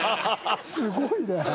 すごいね。